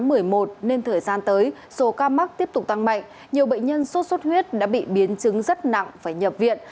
trong tháng một mươi một nên thời gian tới số ca mắc tiếp tục tăng mạnh nhiều bệnh nhân sốt xuất huyết đã bị biến chứng rất nặng phải nhập viện